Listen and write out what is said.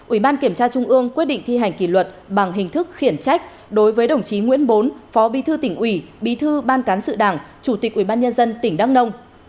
ủy ban kiểm tra trung ương quyết định thi hành kỷ luật bằng hình thức khiển trách đối với đồng chí nguyễn bốn phó bí thư tỉnh ủy bí thư ban cán sự đảng chủ tịch ubnd tỉnh đắk nông